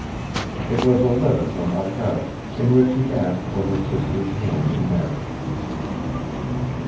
It was a letter from Arkady, in which he asked for her sister's hand in marriage.